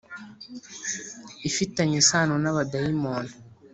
ifitanye isano n abadayimoni.